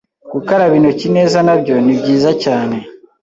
Gukaraba intoki neza nabyo nibyiza cyane